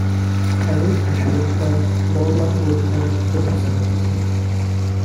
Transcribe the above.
Karin assured her no one would hurt the prisoners.